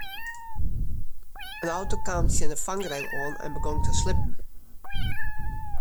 In auto kaam tsjin de fangrail oan en begûn te slippen.